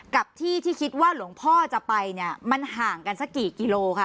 กับที่ที่คิดว่าหลวงพ่อจะไปเนี่ยมันห่างกันสักกี่กิโลค่ะ